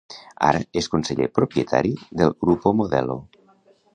Ara, és conseller propietari del Grupo Modelo.